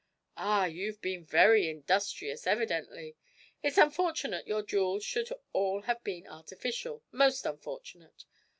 'Ah, you've been very industrious, evidently; it's unfortunate your jewels should all have been artificial most unfortunate.